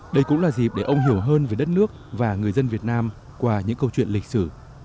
đây cũng là dịp để ông hiểu hơn về đất nước và người dân việt nam qua những câu chuyện lịch sử